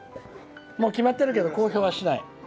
決まってるけど公表はしない？